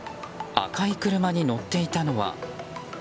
赤い車に乗っていたのは。